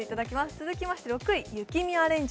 続きまして６位、雪見アレンジ。